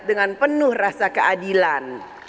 dengan penuh rasa keadilan